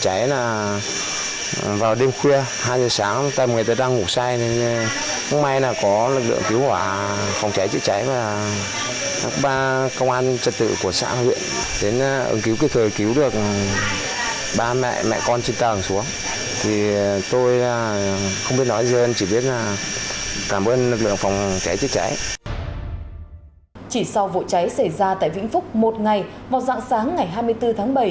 chỉ sau vụ cháy xảy ra tại vĩnh phúc một ngày vào dạng sáng ngày hai mươi bốn tháng bảy